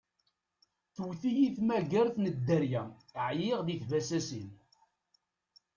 Tewwet-iyi tmagart n dderya, ɛyiɣ di tbasasin.